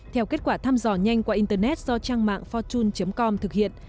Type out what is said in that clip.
theo kết quả thăm dò nhanh qua internet do trang mạng fortune com thực hiện